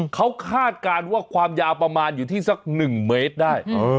เขาคาดการณ์ว่าความยาวประมาณอยู่ที่สัก๑เมตรได้